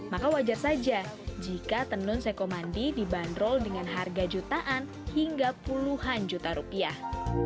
maka wajar saja jika tenun sekomandi dibanderol dengan harga jutaan hingga puluhan juta rupiah